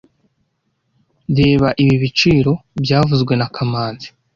Reba ibi biciro byavuzwe na kamanzi